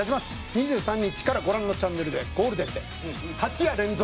２３日からご覧のチャンネルでゴールデンで８夜連続。